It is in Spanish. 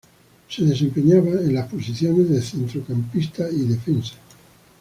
Se desempeñaba en las posiciones de centrocampista y defensa.